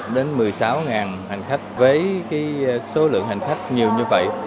đến một mươi sáu hành khách với số lượng hành khách nhiều như vậy